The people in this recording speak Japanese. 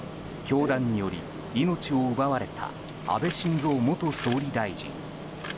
凶弾により命を奪われた安倍晋三元総理大臣。